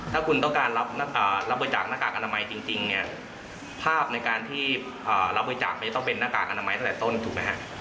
ถ้าคุณต้องการรับบริจาคหน้ากากอนามัยจริงเนี่ยภาพในการที่รับบริจาคมันจะต้องเป็นหน้ากากอนามัยตั้งแต่ต้นถูกไหมฮะ